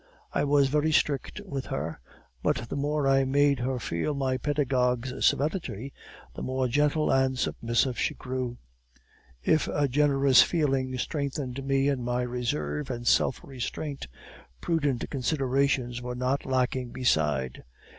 I was very strict with her, but the more I made her feel my pedagogue's severity, the more gentle and submissive she grew. "If a generous feeling strengthened me in my reserve and self restraint, prudent considerations were not lacking beside.